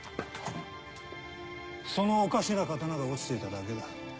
そのおかしな刀が落ちていただけだ。